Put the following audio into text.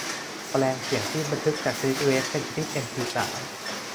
แปลงเสียงที่บันทึกจากชนิดเวฟเป็นชนิดเอ็มพีสาม